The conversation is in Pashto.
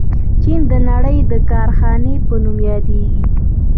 چین د نړۍ د کارخانې په نوم یادیږي.